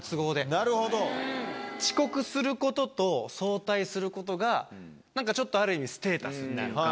なるほど！遅刻することと早退することがなんかちょっとある意味ステータスっていうか。